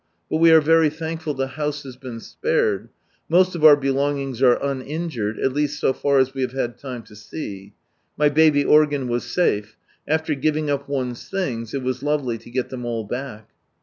But we are very thankful the house has been spared. Most of our belongings are uninjured, al least so far as we have had time to see. My baby organ was safe. After giving up one's things it was lovely to get them all back.